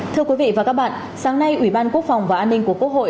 thưa quý vị và các bạn sáng nay ủy ban quốc phòng và an ninh của quốc hội